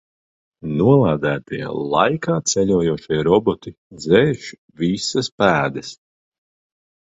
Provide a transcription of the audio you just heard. Nolādētie laikā ceļojošie roboti dzēš visas pēdas.